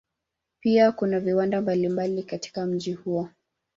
Pia kuna viwanda mbalimbali katika mji huo.